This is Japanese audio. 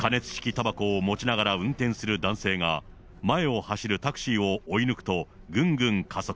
たばこを持ちながら運転する男性が、前を走るタクシーを追い抜くと、ぐんぐん加速。